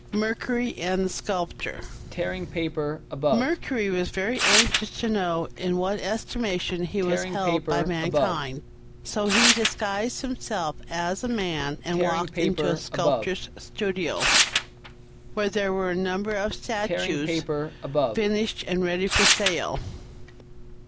MERCURY AND THE SCULPTOR Mercury was very anxious to know in what estimation he was held by mankind; so he disguised himself as a man and walked into a Sculptor's studio, where there were a number of statues finished and ready for sale.